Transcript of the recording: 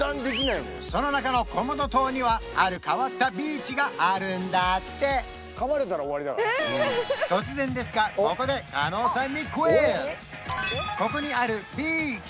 その中のコモド島にはある変わったビーチがあるんだって突然ですがここでここにあるビーチ